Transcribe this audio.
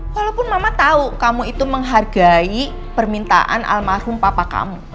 walaupun mama tahu kamu itu menghargai permintaan almarhum papa kamu